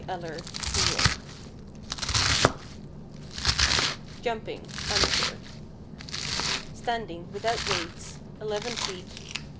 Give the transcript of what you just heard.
Eller, New York. =Jumping, Amateur=: Standing, without weights, 11 ft.